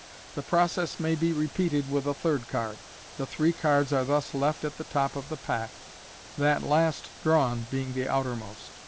The process may be repeated with a third card. The three cards are thus left at the top of the pack, that last drawn being the outermost.